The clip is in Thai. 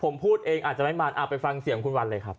ผมพูดเองอาจจะไม่มาไปฟังเสียงคุณวันเลยครับ